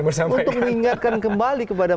untuk mengingatkan kembali kepada